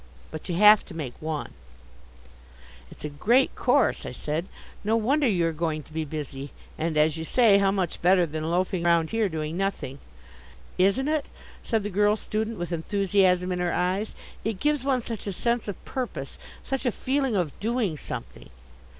But you have to make one." "It's a great course," I said. "No wonder you are going to be busy; and, as you say, how much better than loafing round here doing nothing." "Isn't it?" said the girl student with enthusiasm in her eyes. "It gives one such a sense of purpose, such a feeling of doing something."